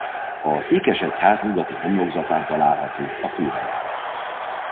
A székesegyház nyugati homlokzatán található a főbejárat.